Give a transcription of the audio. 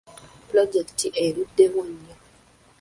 Pulojekiti eruddewo nnyo.